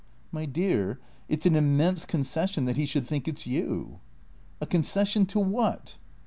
"My dear, it's an immense concession that he should think it's you." "A concession to what?"